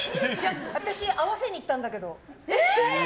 私、合わせにいったんだけど。